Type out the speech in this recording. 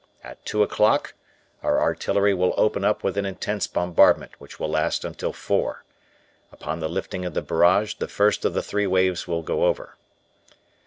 At two o'clock our artillery will open up with an intense bombardment which will last until four. Upon the lifting of the barrage, the first of the three waves will go over."